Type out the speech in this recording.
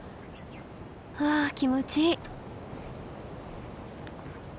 はあ気持ちいい。